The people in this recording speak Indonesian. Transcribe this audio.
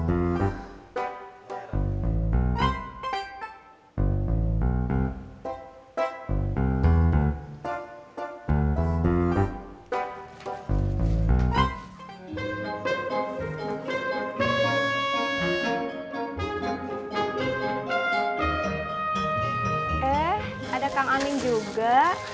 eh ada kang aning juga